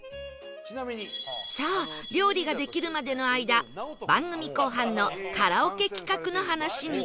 さあ料理ができるまでの間番組後半のカラオケ企画の話に